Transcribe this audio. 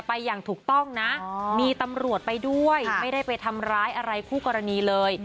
อย่างถูกต้องนะมีตำรวจไปด้วยไม่ได้ไปทำร้ายอะไรคู่กรณีเลย